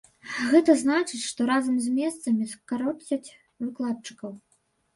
Гэта значыць, што разам з месцамі скароцяць выкладчыкаў.